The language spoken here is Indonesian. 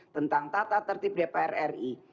tentang tata tertib dpr ri